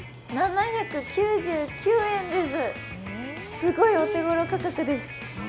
すごいお手ごろ価格です。